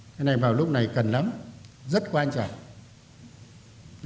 cái này vào lúc này cần lắm rất quan trọng